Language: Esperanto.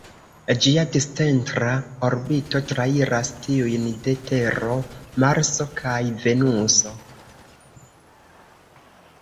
Ĝia discentra orbito trairas tiujn de Tero, Marso kaj Venuso.